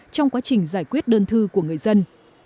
trong quá trình giải quyết đơn thư của người dân